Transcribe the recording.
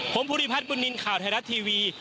ผมพุทธิพัฒน์บุญนินข่าวไทยรัฐทีวี